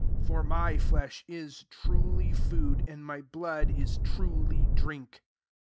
55 For my flesh is truly food, and my blood is truly drink.